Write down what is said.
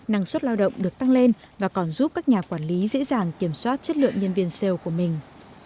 năng suất lao động được tăng lên và còn giúp các nhà quản lý dễ dàng kiểm soát chất lượng nhân viên sale của mình